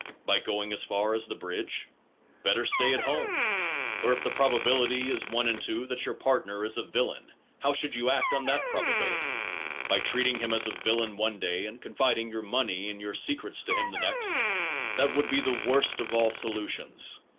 By going as far as the bridge? Better stay at home ! Or if the probability is 1 2 that your partner is a villain, how should you act on that probability? By treating him as a villain one day, and confiding your money and your secrets to him the next? That would be the worst of all solutions.